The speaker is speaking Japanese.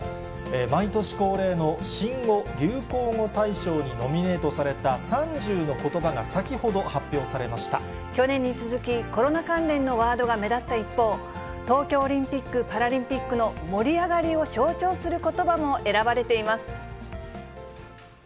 毎年恒例の新語・流行語大賞にノミネートされた３０のことばが先去年に続き、コロナ関連のワードが目立った一方、東京オリンピック・パラリンピックの盛り上がりを象徴することばも選ばれています。